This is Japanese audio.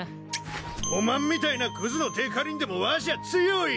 おまんみたいなクズの手借りんでもわしは強い！